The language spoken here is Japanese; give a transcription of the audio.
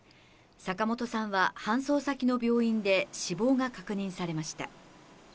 坂本さんは搬送先の病院で死亡が確認されました。